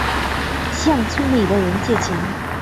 向村里的人借钱